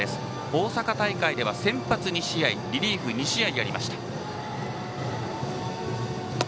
大阪大会では先発２試合、リリーフが２試合ありました。